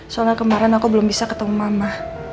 soalnya kemarin aku belum bisa ketemu mama